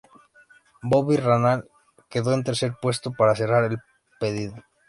Bobby Rahal quedó en tercer puesto para cerrar el podio.